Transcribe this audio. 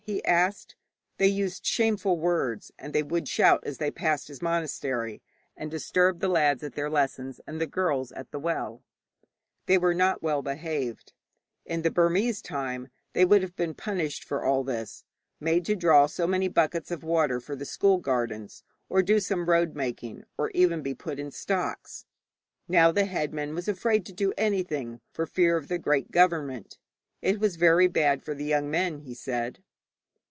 he asked. They used shameful words, and they would shout as they passed his monastery, and disturb the lads at their lessons and the girls at the well. They were not well behaved. In the Burmese time they would have been punished for all this made to draw so many buckets of water for the school gardens, or do some road making, or even be put in the stocks. Now the headman was afraid to do anything, for fear of the great government. It was very bad for the young men, he said.